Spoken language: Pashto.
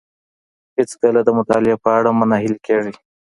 هیڅکله د مطالعې په اړه مه ناهیلي کيږئ.